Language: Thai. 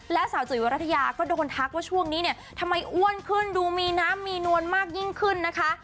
และสาวจุ๋ยวรัฐยาก็โดนทักว่าช่วงนี้เนี่ยทำไมอ้วนขึ้นดูมีน้ำมีนวลมากยิ่งขึ้นนะคะ